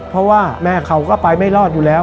เพราะว่าแม่เขาก็ไปไม่รอดอยู่แล้ว